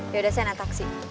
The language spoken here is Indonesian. yaudah saya naik taksi